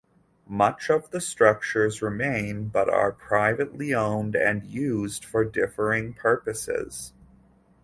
Much of the structures remain but are privately owned and used for differing purposes.